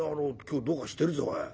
今日どうかしてるぞおい。